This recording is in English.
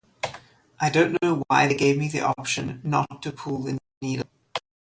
I don't know why they gave me the option not to pull the needle.